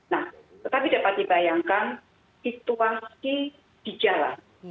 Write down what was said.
nah tetapi dapat dibayangkan situasi di jalan